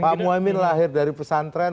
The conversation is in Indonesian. pak muhaymin lahir dari pesantren